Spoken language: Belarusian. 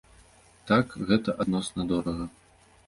Так, гэта адносна дорага.